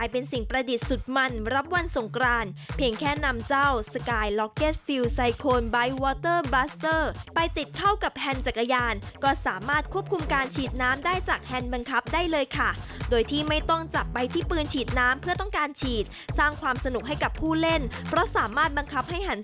เพียริมฝากติดตามจากรายงานพร้อมกันครับ